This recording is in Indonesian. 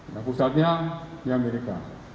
nah pusatnya di amerika